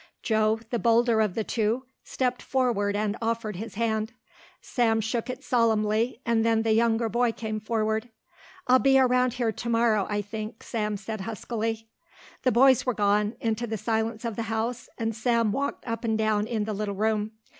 Joe, the bolder of the two, stepped forward and offered his hand. Sam shook it solemnly and then the younger boy came forward. "I'll be around here to morrow I think," Sam said huskily. The boys were gone, into the silence of the house, and Sam walked up and down in the little room.